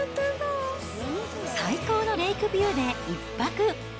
最高のレイクビューで１泊。